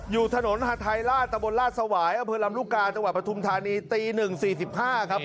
อยู่ถนนหาดไทยราชตะบลราชสวายอเภิรรัมรุกาจังหวัดประธุมธานีตี๑๔๕ครับ